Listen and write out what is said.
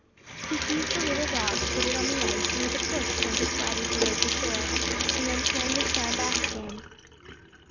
He seized the little dog, put it on the ice, and with a push sent it sliding towards the shore, and then turned and swam back again.